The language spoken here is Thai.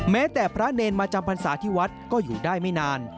แม้แต่พระเนรมาจำพรรษาที่วัดก็อยู่ได้ไม่นาน